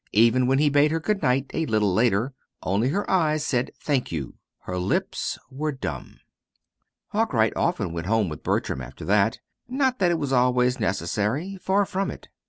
Even when he bade her good night a little later, only her eyes said "thank you." Her lips were dumb. Arkwright often went home with Bertram after that. Not that it was always necessary far from it.